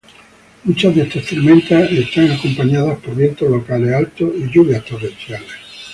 Muchas de estas tormentas están acompañadas por vientos locales altos y lluvias torrenciales.